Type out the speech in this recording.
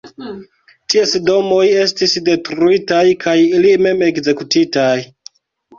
Ties domoj estis detruitaj kaj ili mem ekzekutitaj.